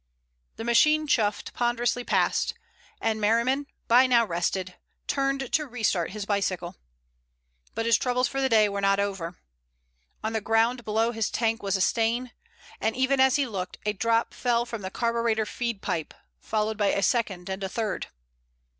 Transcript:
The machine chuffed ponderously past, and Merriman, by now rested, turned to restart his bicycle. But his troubles for the day were not over. On the ground below his tank was a stain, and even as he looked, a drop fell from the carburetor feed pipe, followed by a second and a third.